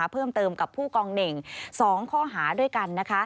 เพิ่มเติมกับผู้กองเหน่ง๒ข้อหาด้วยกัน